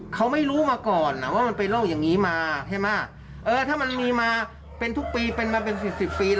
เขาร่ับผิดภีม๑๐๑ไม่ได้